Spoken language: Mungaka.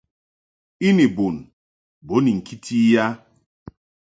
I ni bun bo ni ŋkiti i a.